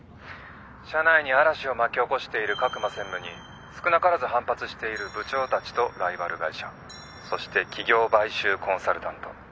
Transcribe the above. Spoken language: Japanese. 社内に嵐を巻き起こしている格馬専務に少なからず反発している部長たちとライバル会社そして企業買収コンサルタント。